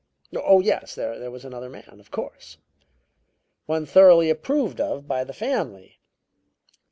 Oh, yes, there was another man, of course; one thoroughly approved of by the family.